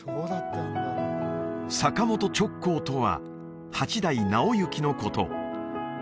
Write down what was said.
坂本直行とは８代直行のこと